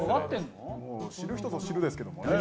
知る人ぞ知るですけど。